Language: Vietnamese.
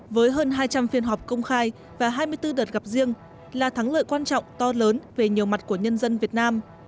với hơn hai trăm linh phiên họp công khai và hai mươi bốn đợt gặp riêng là thắng lợi quan trọng to lớn về nhiều mặt của nhân dân việt nam